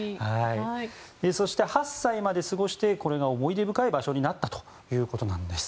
そして、８歳まで過ごしてこれが思い出深い場所になったということなんです。